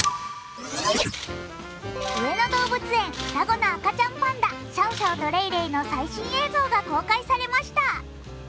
上野動物園双子の赤ちゃんパンダ、シャオシャオとレイレイの最新映像が公開されました。